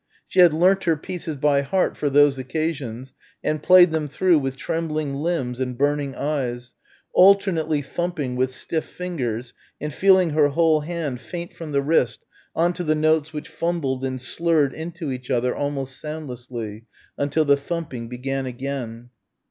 She had learnt her pieces by heart for those occasions and played them through with trembling limbs and burning eyes alternately thumping with stiff fingers and feeling her whole hand faint from the wrist on to the notes which fumbled and slurred into each other almost soundlessly until the thumping began again.